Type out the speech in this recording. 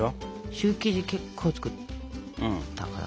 シュー生地結構作ったから。